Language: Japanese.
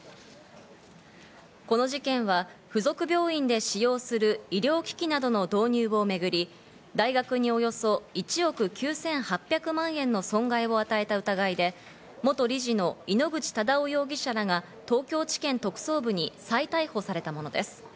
この事件は付属病院で使用する医療機器などの導入をめぐり、大学におよそ１億９８００万円の損害を与えた疑いで、元理事の井ノ口忠男容疑者らが東京地検特捜部に再逮捕されたものです。